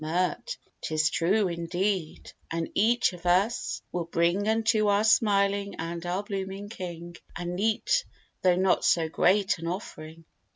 MIRT. 'Tis true, indeed; and each of us will bring Unto our smiling and our blooming King, A neat, though not so great an offering.